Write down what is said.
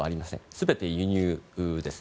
全て輸入です。